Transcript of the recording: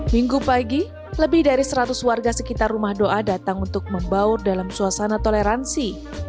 minggu pagi lebih dari seratus warga sekitar rumah doa datang untuk membaur dalam suasana toleransi